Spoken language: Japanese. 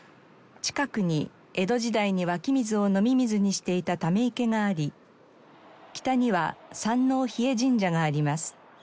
近くに江戸時代に湧き水を飲み水にしていた溜池があり北には山王日枝神社があります。